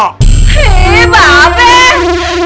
eh mbak beng